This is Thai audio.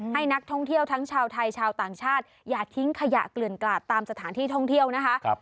ให้นักท่องเที่ยวทั้งชาวไทยชาวต่างชาติอย่าทิ้งขยะเกลื่อนกลาดตามสถานที่ท่องเที่ยวนะคะ